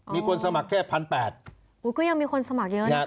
มีคนสมัครแค่พันแปดกูก็ยังมีคนสมัครเยอะนะคะ